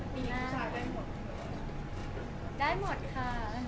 ปีหน้าได้หมดค่ะ